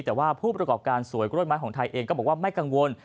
แต่ว่าผู้ประกอบการสวยกล้วยไม้ของไทยเองก็บอกว่าไม่กังวล